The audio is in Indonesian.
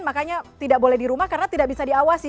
makanya tidak boleh di rumah karena tidak bisa diawasi